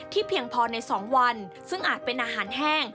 เพียงพอใน๒วันซึ่งอาจเป็นอาหารแห้ง